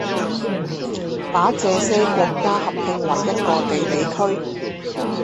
把這些國家合併為一個地理區